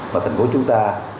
mà thành phố chúng ta